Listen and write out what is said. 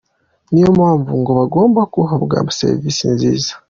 Niyo mpamvu ngo bagomba guhabwa serivisi nziza.